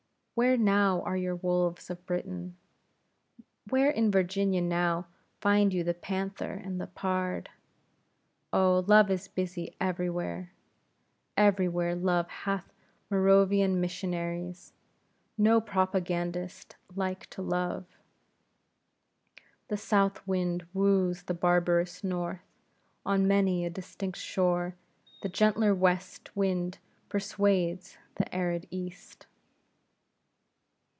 Where now are your wolves of Britain? Where in Virginia now, find you the panther and the pard? Oh, love is busy everywhere. Everywhere Love hath Moravian missionaries. No Propagandist like to love. The south wind wooes the barbarous north; on many a distant shore the gentler west wind persuades the arid east.